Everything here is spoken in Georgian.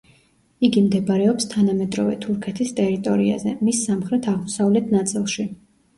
იგი მდებარეობს თანამედროვე თურქეთის ტერიტორიაზე, მის სამხრეთ-აღმოსავლეთ ნაწილში.